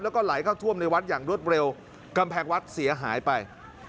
แล้วก็ไหลเข้าท่วมในวัดอย่างรวดเร็วกำแพงวัดเสียหายไป